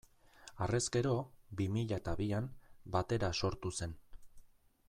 Harrez gero, bi mila eta bian, Batera sortu zen.